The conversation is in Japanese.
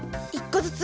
１こずつ。